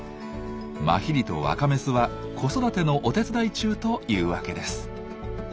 マヒリと若メスは子育てのお手伝い中というわけです。